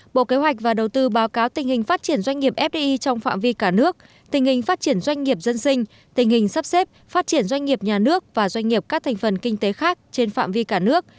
bộ kế hoạch và đầu tư báo cáo tình hình phát triển doanh nghiệp fdi trong phạm vi cả nước tình hình phát triển doanh nghiệp dân sinh tình hình sắp xếp phát triển doanh nghiệp nhà nước và doanh nghiệp các thành phần kinh tế khác trên phạm vi cả nước